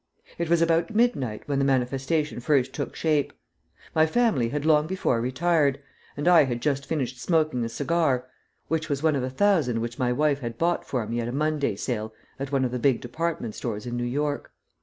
It was about midnight when the manifestation first took shape. My family had long before retired, and I had just finished smoking a cigar which was one of a thousand which my wife had bought for me at a Monday sale at one of the big department stores in New York.